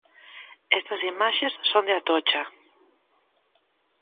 Estas imaxes son de Atocha.